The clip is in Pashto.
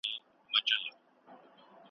په خمير كي يې فساد دئ ور اخښلى `